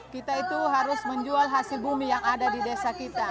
kita itu harus menjual hasil bumi yang ada di desa kita